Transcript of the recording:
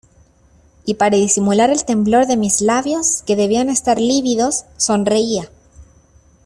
y para disimular el temblor de mis labios que debían estar lívidos, sonreía.